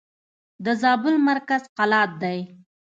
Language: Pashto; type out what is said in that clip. د زابل مرکز قلات دئ.